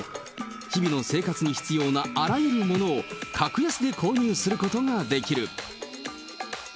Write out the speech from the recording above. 日々の生活に必要なあらゆるものを格安で購入することができる。